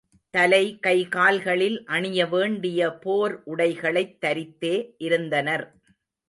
தலை கை கால்களில் அணிய வேண்டிய போர் உடைகளைத் தரித்தே இருந்தனர்.